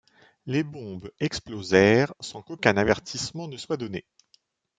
Les bombes explosèrent sans qu'aucun avertissement ne soit donné.